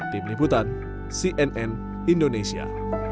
tim liputan cnn indonesia